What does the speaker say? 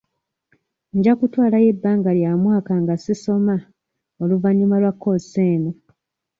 Nja kutwalayo ebbanga lya mwaka nga si soma oluvannyuma lwa kkoosi eno.